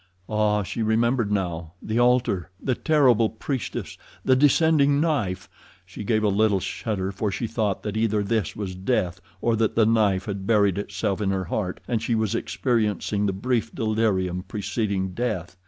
Ah, she remembered now. The altar, the terrible priestess, the descending knife. She gave a little shudder, for she thought that either this was death or that the knife had buried itself in her heart and she was experiencing the brief delirium preceding death.